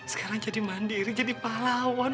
sekarang jadi mandiri jadi pahlawan